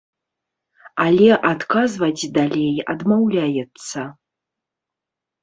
Але адказваць далей адмаўляецца.